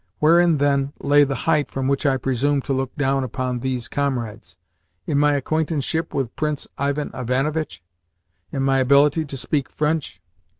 Wherein, then, lay the height from which I presumed to look down upon these comrades? In my acquaintanceship with Prince Ivan Ivanovitch? In my ability to speak French?